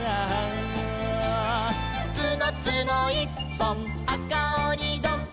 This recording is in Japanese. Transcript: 「つのつのいっぽんあかおにどん」